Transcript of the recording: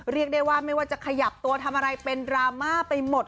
เรียกได้ว่าไม่ว่าจะขยับตัวทำอะไรเป็นดราม่าไปหมด